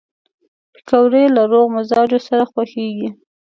پکورې له روغ مزاجو سره خوښېږي